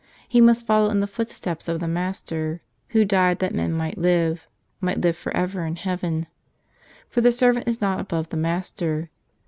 He must follow in the footsteps of the Master Who died that men might live — might live forever in heaven. For the servant is not above the master.